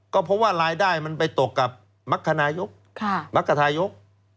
ก็เพราะว่ารายได้มันไปตกกับมรรคนายกมรรคทายก